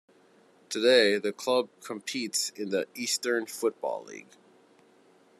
Today the club competes in the Eastern Football League.